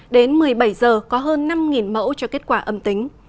đến một mươi bảy giờ có hơn năm mẫu cho kết quả âm tính